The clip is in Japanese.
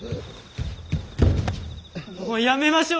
もうやめましょう！